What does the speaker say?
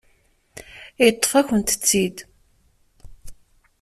Yeṭṭef-akent-t-id.